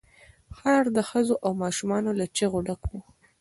ښار د ښځو او ماشومان له چيغو ډک وو.